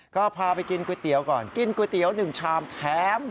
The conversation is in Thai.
ก็พาไปกินก๋วยเตี๋ยวก่อนกินก๋วยเตี๋ยว๑ชามแถม